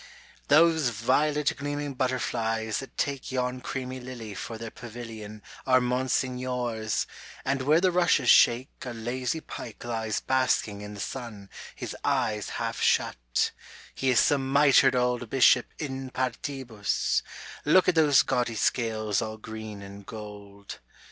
Those violet gleaming butterflies that take Yon creamy lily for their pavilion Are monsignores, and where the rushes shake A lazy pike lies basking in the sun His eyes half shut, — He is some mitred old Bishop in partibus / look at those gaudy scales all green and gold.